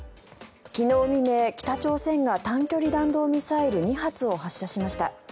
昨日未明、北朝鮮が短距離弾道ミサイル２発を発射しました。